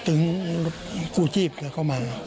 เต็มด้วยกู้ชู้มเบบเข้ามา